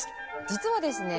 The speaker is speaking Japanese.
実はですね